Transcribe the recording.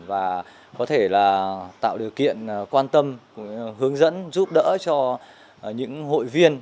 và có thể là tạo điều kiện quan tâm hướng dẫn giúp đỡ cho những hội viên